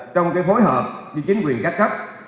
trong phối hợp với chính quyền các cấp